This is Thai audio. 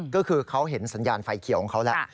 ก็คือเขาเห็นสัญญาณไฟเขียวของเขาแล้ว